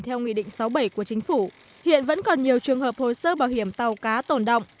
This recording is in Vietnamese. theo nghị định sáu mươi bảy của chính phủ hiện vẫn còn nhiều trường hợp hồ sơ bảo hiểm tàu cá tồn động